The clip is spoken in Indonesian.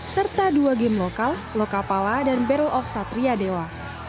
serta dua game lokal lokapala dan battle of satria dewa